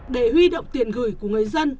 để huy động tiền gửi của người dân